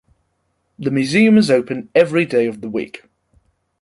The museum is open every day of the week.